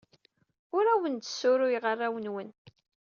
Ur awen-d-ssruyeɣ arraw-nwen.